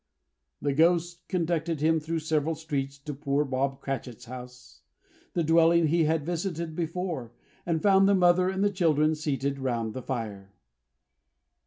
The Ghost conducted him through several streets to poor Bob Cratchit's house; the dwelling he had visited before: and found the mother and the children seated round the fire.